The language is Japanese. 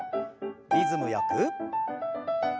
リズムよく。